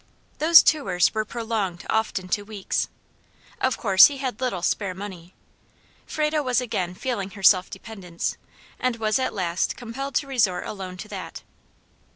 Those tours were prolonged often to weeks. Of course he had little spare money. Frado was again feeling her self dependence, and was at last compelled to resort alone to that.